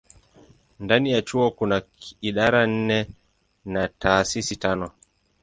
Ndani ya chuo kuna idara nne na taasisi tano.